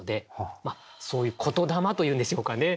そういう言霊というんでしょうかね。